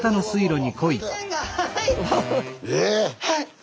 はい。